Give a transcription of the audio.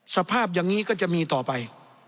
สภาพอย่างนี้ก็จะมีต่อไป